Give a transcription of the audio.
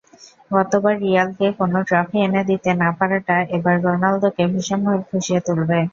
গতবার রিয়ালকে কোনো ট্রফি এনে দিতে না-পারাটা এবার রোনালদোকে ভীষণভাবে ফুঁসিয়ে তুলবে।